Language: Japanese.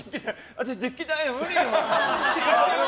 私できない無理よ！